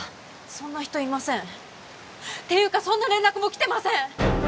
そんな人いませんっていうかそんな連絡もきてません